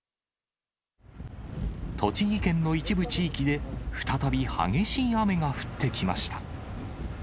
栃木県の一部地域で、再び激しい雨が降ってきました。